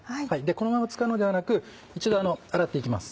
このまま使うのではなく一度洗っていきます。